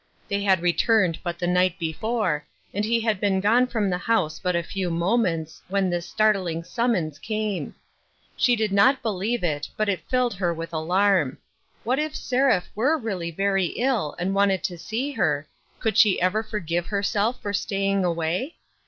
They had returned but the night before, and he had been gone from the house but a few moments when this startling summons came. She did not believe it, but it filled her with alarm. What if Seraph were really very ill and wanted to see her, could she ever forgive herself for staying away